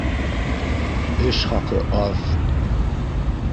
Эш хаҡы аҙ